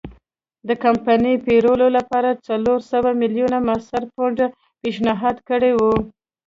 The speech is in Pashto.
د کمپنۍ پېرلو لپاره څلور سوه میلیونه مصري پونډ پېشنهاد کړي وو.